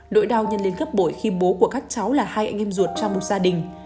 nỗi đau nhân lên gấp bội khi bố của các cháu là hai anh em ruột trong một gia đình